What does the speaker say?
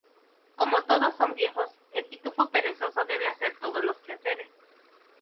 Como todos son viejos, el Pitufo Perezoso debe hacer todos los quehaceres.